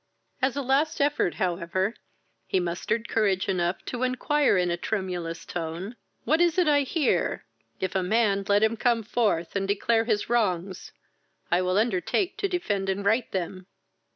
As a last effort, however, he mustered courage enough to inquire in a tremulous tone, "What is it I hear? If a man, let him come forth, and declare his wrongs; I will undertake to defend and right them."